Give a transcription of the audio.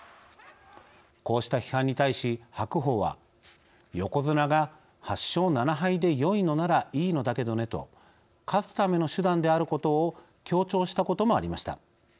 こうした批判に対し白鵬は横綱が８勝７敗で良いのならいいのだけどねと勝つための手段であることを強調したこともありました。